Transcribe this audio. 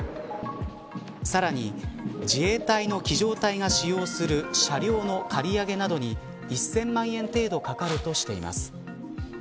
さらに自衛隊の儀仗隊が使用する車両の借り上げなどに１０００万円程度かかるとしています。